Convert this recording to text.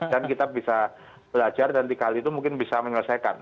dan kita bisa belajar dan dikali itu mungkin bisa menyelesaikan